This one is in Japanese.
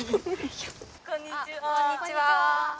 「こんにちは」